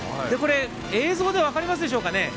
映像で分かりますでしょうかね？